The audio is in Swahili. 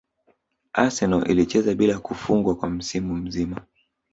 Arsenal ilicheza bila kufungwa kwa msimu mzima